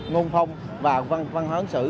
ngôn phong và văn hóa hướng xử